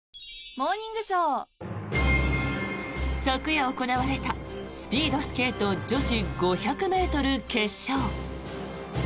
昨夜行われたスピードスケート女子５００ｍ決勝。